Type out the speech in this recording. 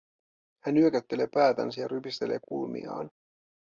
Hän nyökäyttelee päätänsä ja rypistelee kulmiaan.